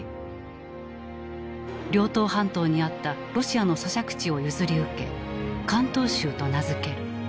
遼東半島にあったロシアの租借地を譲り受け関東州と名付ける。